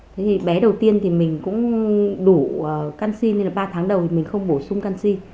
thế thì bé đầu tiên thì mình cũng đủ canxin nên là ba tháng đầu thì mình không bổ sung canxi